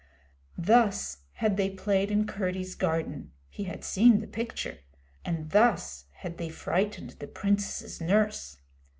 Thus had they played in Curdie's garden he had seen the picture and thus had they frightened the Princess's nurse.